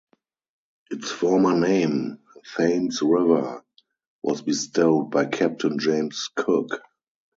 Its former name, Thames River, was bestowed by Captain James Cook.